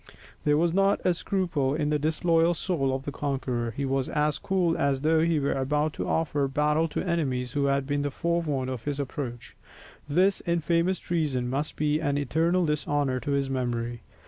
There was not a scruple in the disloyal soul of the conqueror; he was as cool as though he were about to offer battle to enemies who had been forewarned of his approach; this infamous treason must be an eternal dishonour to his memory.